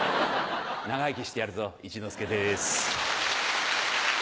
長生きしてやるぞ一之輔です。